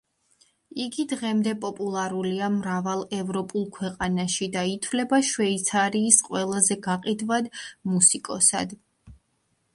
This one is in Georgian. იგი დღემდე პოპულარულია მრავალ ევროპულ ქვეყანაში და ითვლება შვეიცარიის ყველაზე გაყიდვად მუსიკოსად.